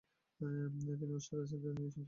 তিনি অস্ট্রিয়ার রাজনীতি নিয়েও অসন্তুষ্ট ছিলেন।